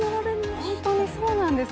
本当にそうなんですよ。